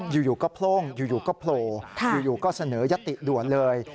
อยู่ก็โพร่งอยู่ก็โผล่อยู่ก็เสนอยัตติด่วนเลย